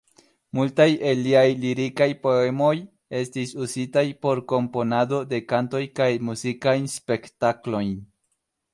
Multaj el liaj lirikaj poemoj estis uzitaj por komponado de kantoj kaj muzikajn spektaklojn.